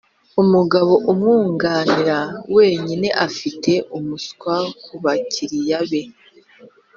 umugabo umwunganira wenyine afite umuswa kubakiriya be